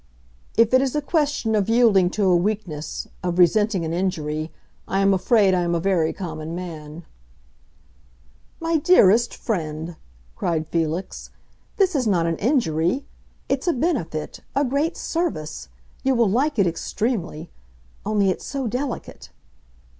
"If it is a question of yielding to a weakness, of resenting an injury, I am afraid I am a very common man." "My dearest friend," cried Felix, "this is not an injury; it's a benefit—a great service! You will like it extremely. Only it's so delicate!"